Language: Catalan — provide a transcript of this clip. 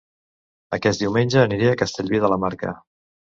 Aquest diumenge aniré a Castellví de la Marca